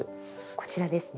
こちらですね。